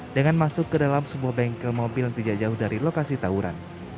dengan masuk ke dalam sebuah bengkel mobil yang tidak jauh dari lokasi tawuran